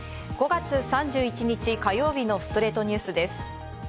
５月３１日、火曜日の『ストレイトニュース』です。